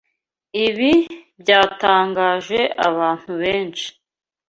Ibi byatangaje abantu benshi.